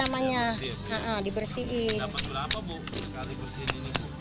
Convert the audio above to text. dapat berapa bu sekali bersihin ini